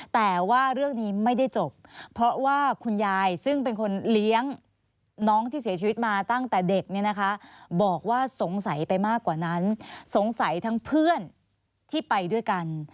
แต่ว่าเรื่องนี้ไม่ได้จบเพราะว่าคุณยายซึ่งเป็นคนเลี้ยงน้องที่เสียชีวิตมาตั้งแต่เด็กเนี่ยนะคะบอกว่าสงสัยไปมากกว่านั้นสงสัยทั้งเพื่อนที่ไปด้วยกัน